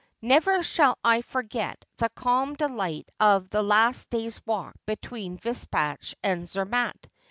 Never shall I forget the calm delight of the last day's walk between Vispach and Zermatt.